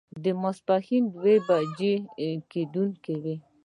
د ماسپښين دوه بجې کېدونکې وې.